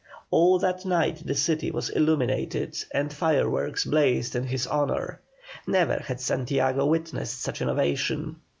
All that night the city was illuminated and fireworks blazed in his honour. Never had Santiago witnessed such an ovation.